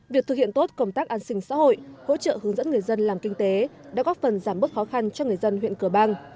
việc thực hiện tốt công tác an sinh xã hội hỗ trợ hướng dẫn người dân làm kinh tế đã góp phần giảm bớt khó khăn cho người dân huyện cờ bang